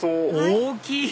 大きい！